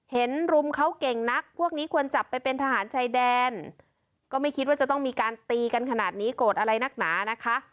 รุมเขาเก่งนักพวกนี้ควรจับไปเป็นทหารชายแดนก็ไม่คิดว่าจะต้องมีการตีกันขนาดนี้โกรธอะไรนักหนานะคะ